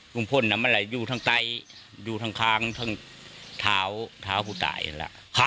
คุณผู้ชายนั้นมันอยู่ทั้งใต้อยู่ทั้งข้างท้าวผู้ตายนั้นแหละ